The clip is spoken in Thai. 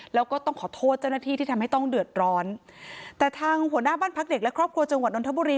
แล้วก็ต้องขอโทษเจ้าหน้าที่ที่ทำให้ต้องเดือดร้อนแต่ทางหัวหน้าบ้านพักเด็กและครอบครัวจังหวัดนทบุรี